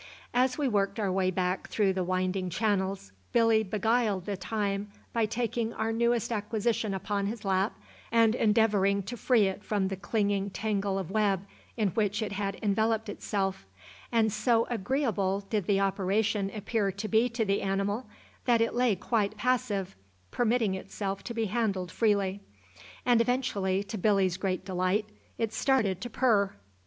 As we worked our way back through the winding channels Billy beguiled the time by taking our newest acquisition upon his lap and endeavouring to free it from the clinging tangle of web in which it had enveloped itself, and so agreeable did the operation appear to be to the animal that it lay quite passive, permitting itself to be handled freely; and eventually, to Billy's great delight, it started to purr.